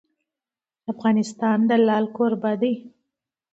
افغانستان د لعل کوربه دی.